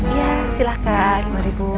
iya silahkan mari bu